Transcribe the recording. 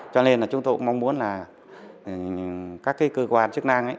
cho nên là chúng tôi cũng mong muốn là các cái cơ quan chức năng ấy